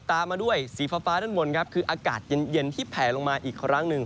ตามมาด้วยสีฟ้าด้านบนครับคืออากาศเย็นที่แผลลงมาอีกครั้งหนึ่ง